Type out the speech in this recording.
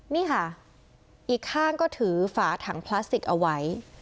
นี่ค่ะอีกข้างก็ถือฝาถังพลาสติกเอาไว้